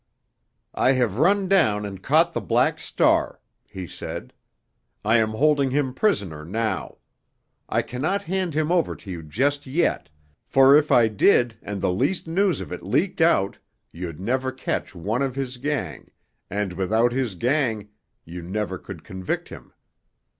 "I have run down and caught the Black Star," he said. "I am holding him prisoner now. I cannot hand him over to you just yet, for, if I did, and the least news of it leaked out, you'd never catch one of his gang, and, without his gang, you never could convict him.